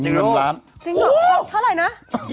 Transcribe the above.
จริงหรอเท่าไหร่นะ